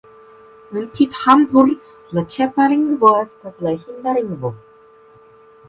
En Pithampur la ĉefa lingvo estas la hindia lingvo.